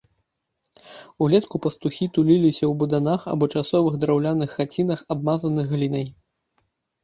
Улетку пастухі туліліся ў буданах або часовых драўляных хацінах, абмазаных глінай.